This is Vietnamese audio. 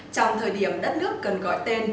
trong thời điểm đất nước cần gọi tên